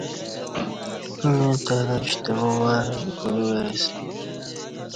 ییں ترہ شتوا ورں دی پتوای اسی